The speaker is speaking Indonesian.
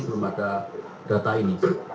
belum ada data ini